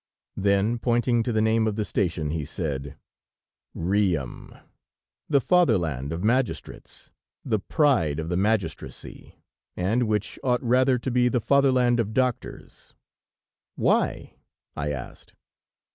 Then, pointing to the name of the station, he said: "Riom, the fatherland of magistrates, the pride of the magistracy, and which ought rather to be the fatherland of doctors." "Why?" I asked.